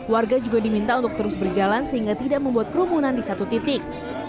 warga juga diminta untuk terus berjalan sehingga tidak membuat kerumunan di satu titik